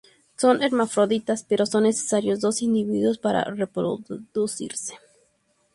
Son hermafroditas, pero son necesarios dos individuos para reproducirse.